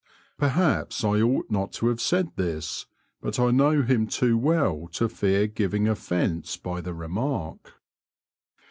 Perhaps I ought not to have said this, but I know him too well to fear giving offence by the remark.